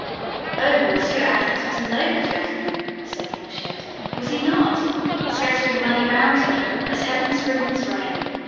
"Oh, Monsieur Athos was a noble gentleman," said Planchet, "was he not? Scattering money round about him as Heaven sprinkles rain.